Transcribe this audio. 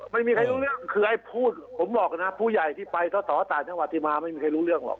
ไม่มีใครรู้เรื่องคือไอ้พูดผมบอกนะผู้ใหญ่ที่ไปสอสอต่างจังหวัดที่มาไม่มีใครรู้เรื่องหรอก